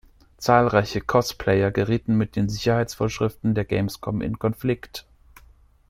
Zahlreiche Cosplayer gerieten mit den Sicherheitsvorschriften der Gamescom in Konflikt.